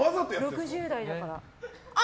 ６０代だから。